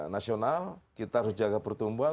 nasional kita harus jaga pertumbuhan